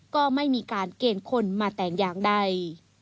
ก็ไม่มีการเกณฑ์คนมาแต่งอย่างใด